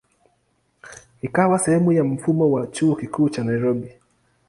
Ikawa sehemu ya mfumo wa Chuo Kikuu cha Nairobi.